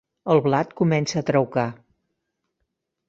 El blat comença a traucar.